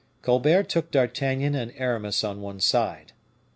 Colbert took D'Artagnan and Aramis on one side.